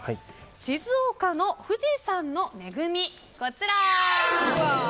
静岡の富士山の恵み、こちら！